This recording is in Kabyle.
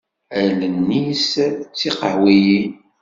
Allen-is d tiqehwiyin.